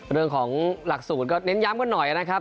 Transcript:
เรื่องของหลักสูตรก็เน้นย้ำกันหน่อยนะครับ